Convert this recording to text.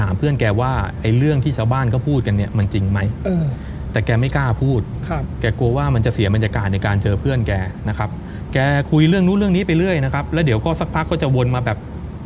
มันจะกัดในการเจอเพื่อนแกนะครับแกคุ้ยเรื่องนู้นเรื่องนี้ไปเรื่อยนะครับแล้วเดี๋ยวก็สักพักก็จะวนมาแบบ